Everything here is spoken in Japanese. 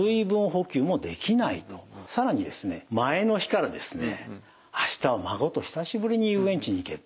更にですね前の日からですね明日は孫と久しぶりに遊園地に行ける。